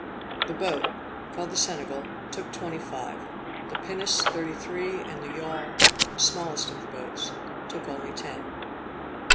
The boat, called the Senegal, took twenty five; the pinnace thirty three; and the yawl, the smallest of all the boats, took only ten.